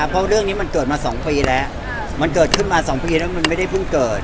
เพราะเรื่องนี้มันเกิดมาสองปีแล้ว